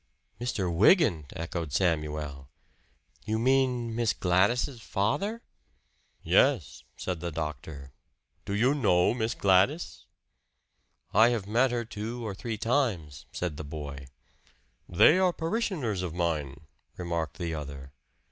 "Mr. Wygant?" echoed Samuel. "You mean Miss Gladys's father?" "Yes," said the doctor. "Do you know Miss Gladys?" "I have met her two or three times," said the boy. "They are parishioners of mine," remarked the other.